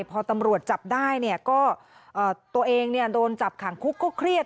พอตำรวจจับได้เนี่ยก็ตัวเองโดนจับขังคุกก็เครียด